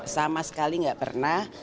sama sekali nggak pernah